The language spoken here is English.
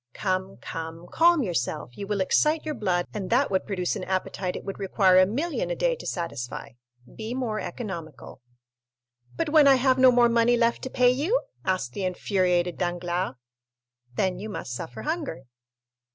"Come, come, calm yourself. You will excite your blood, and that would produce an appetite it would require a million a day to satisfy. Be more economical." "But when I have no more money left to pay you?" asked the infuriated Danglars. "Then you must suffer hunger."